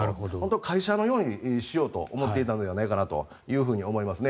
会社のようにしようと思っていたのではないかと思いますね。